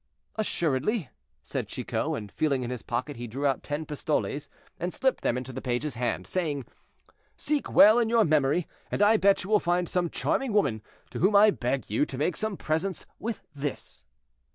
"Assuredly," said Chicot, and feeling in his pocket he drew out ten pistoles and slipped them into the page's hand, saying, "Seek well in your memory, and I bet you will find some charming woman, to whom I beg you to make some presents with this."